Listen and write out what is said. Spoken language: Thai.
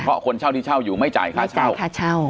เพราะคนเช่าที่เช่าอยู่ไม่จ่ายค่าเช่าค่าเช่า